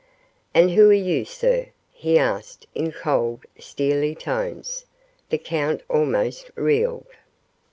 "And who are you, sir?" he asked in cold, steely tones. The count almost reeled.